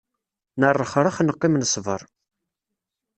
Nerrexrex neqqim nesber.